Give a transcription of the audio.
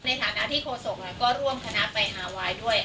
ในฐานะที่โฆษกก็ร่วมคณะไปฮาไวน์ด้วย